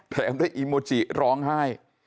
ได้อีโมจิร้องไห้